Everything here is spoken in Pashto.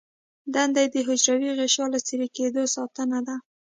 دنده یې د حجروي غشا له څیرې کیدو ساتنه ده.